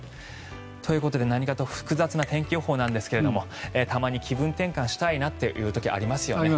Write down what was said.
ということで何かと複雑な天気予報なんですがたまに気分転換したいなという時ありますよね。